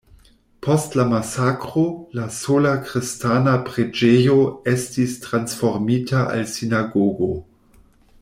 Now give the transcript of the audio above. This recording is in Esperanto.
Post la masakro, la sola kristana preĝejo estis transformita al sinagogo.